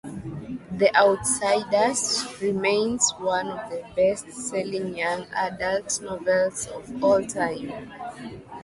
"The Outsiders" remains one of the best-selling young adult novels of all time.